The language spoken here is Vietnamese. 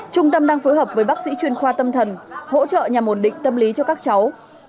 trung tâm đang phối hợp với bác sĩ chuyên khoa tâm thần hỗ trợ nhà môn định tâm lý cho các cháu